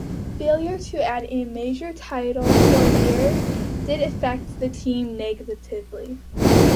Failure to add a major title for years did affect the team negatively.